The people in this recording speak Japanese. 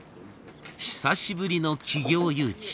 久しぶりの企業誘致。